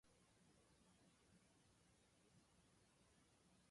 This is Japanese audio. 帰り道は遠回りしたくなる